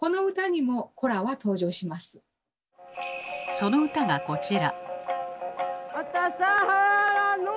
その歌がこちら。